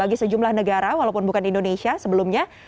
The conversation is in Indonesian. bagi sejumlah negara walaupun bukan indonesia sebelumnya